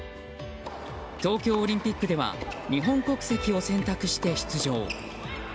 東京オリンピックでは日本国籍を選択して出場。